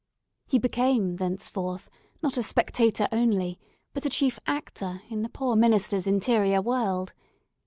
He became, thenceforth, not a spectator only, but a chief actor in the poor minister's interior world.